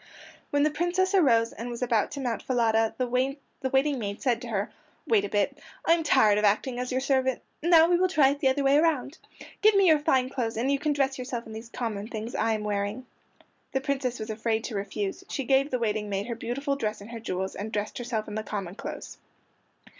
When the Princess arose and was about to mount Falada the waiting maid said to her, "Wait a bit! I am tired of acting as your servant. Now, we will try it the other way around. Give me your fine clothes, and you can dress yourself in these common things I am wearing." The Princess was afraid to refuse; she gave the waiting maid her beautiful dress and her jewels, and dressed herself in the common clothes.